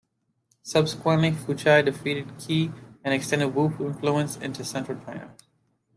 Subsequently, Fuchai defeated Qi and extended Wu influence into central China.